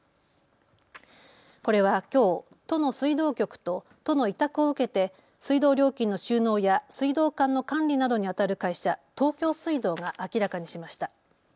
これはきょう都の水道局と都の委託を受けて水道料金の収納や水道管の管理などにあたる会社、東京水道が明らかにしました。